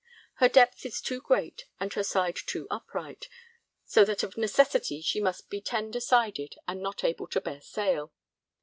Her depth is too great and her side too upright, so that of necessity she must be tender sided and not able to bear sail.